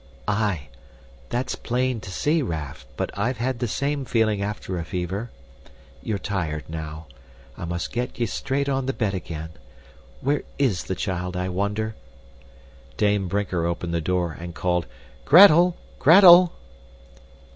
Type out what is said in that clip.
"Aye. That's plain to see, Raff, but I've had the same feeling after a fever. You're tired now. I must get ye straight on the bed again. Where IS the child, I wonder?" Dame Brinker opened the door, and called, "Gretel! Gretel!"